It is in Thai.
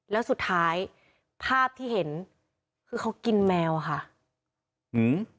แล้วสุดท้ายภาพที่เห็นคือเขากินแมวค่ะอืม